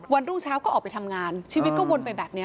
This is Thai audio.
รุ่งเช้าก็ออกไปทำงานชีวิตก็วนไปแบบนี้